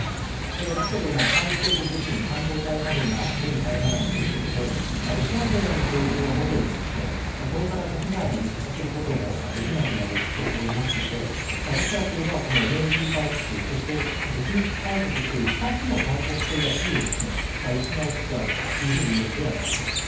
ですけれどもハイテク部品、半導体などが手に入らないということでロシア軍への供給はもとよりこれから、国外に輸出することもできなくなると思いますのでロシアというのはエネルギー大国そして、武器輸出大国という２つの大国という地位を失いつつあるといえるのではないでしょうか。